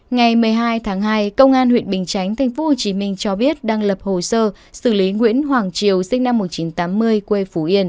ngày một mươi hai tháng hai công an huyện bình chánh tp hcm cho biết đang lập hồ sơ xử lý nguyễn hoàng triều